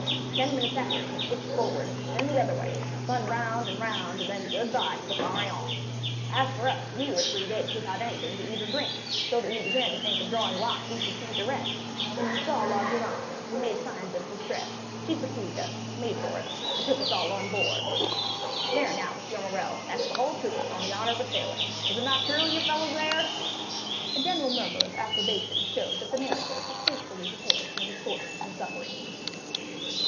Ten minutes after she pitched forward, then the other way, spun round and round, and then good bye to the Pharaon. As for us, we were three days without anything to eat or drink, so that we began to think of drawing lots who should feed the rest, when we saw La Gironde; we made signals of distress, she perceived us, made for us, and took us all on board. There now, M. Morrel, that's the whole truth, on the honor of a sailor; is not it true, you fellows there?" A general murmur of approbation showed that the narrator had faithfully detailed their misfortunes and sufferings.